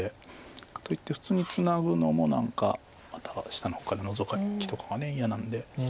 かといって普通にツナぐのも何かまた下の方からノゾキとかが嫌なんで。